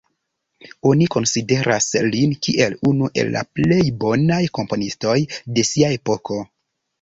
Oni konsideras lin kiel unu el la plej bonaj komponistoj de sia epoko.